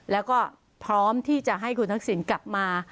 แล้วก็พร้อมที่จะให้คุณทักษิณกลับมา